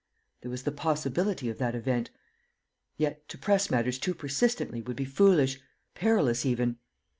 There was the possibility of that event; yet to press matters too persistently would be foolish, perilous even.